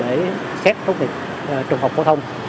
để xét tốt nghiệp trung học phổ thông